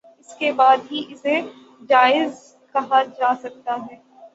اس کے بعد ہی اسے جائز کہا جا سکتا ہے